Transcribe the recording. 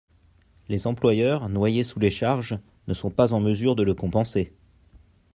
Les employeurs, noyés sous les charges, ne sont pas en mesure de le compenser.